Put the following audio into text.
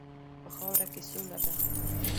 په خاوره کې سوله ده.